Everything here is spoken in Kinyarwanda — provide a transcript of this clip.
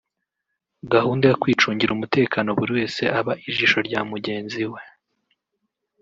gahunda yo kwicungira umutekano buri wese aba ijishoi rya mugenzi we